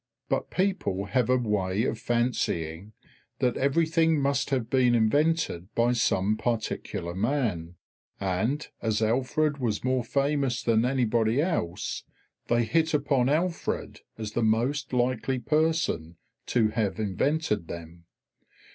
But people have a way of fancying that everything must have been invented by some particular man, and as Alfred was more famous than anybody else, they hit upon Alfred as the most likely person to have invented them.